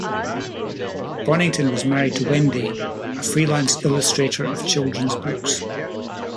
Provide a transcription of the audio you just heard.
Bonington was married to Wendy, a freelance illustrator of children's books.